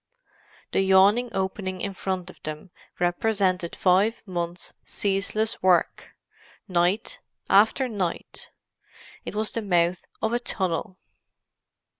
The yawning opening in front of them represented five months' ceaseless work, night after night. It was the mouth of a tunnel.